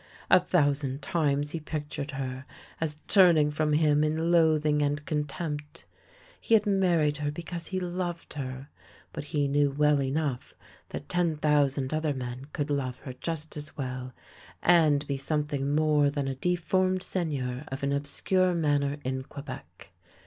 A thou sand times he pictured her as turning from him in loathing and contempt. He had married her because he loved her, but he knew well enough that ten thou sand other men could love her just as well, and be 4 THE LANE THAT HAD NO TURNING something more than a deformed seigneur of an ob scure manor in Quebec.